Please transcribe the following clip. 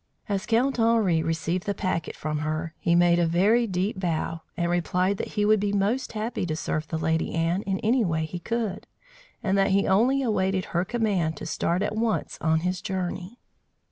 As Count Henri received the packet from her, he made a very deep bow, and replied that he would be most happy to serve the Lady Anne in any way he could, and that he only awaited her command to start at once on his journey.